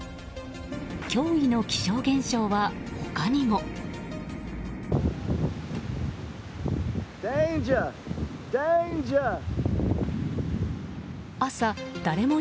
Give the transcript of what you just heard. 驚異の気象現象は、他にも。